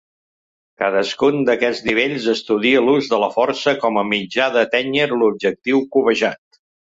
Cadascun d'aquests nivells estudia l'ús de la força com a mitjà d'atènyer l'objectiu cobejat.